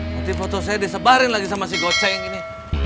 nanti foto saya disebarin lagi sama si goceng ini